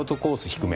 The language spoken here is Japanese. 低め。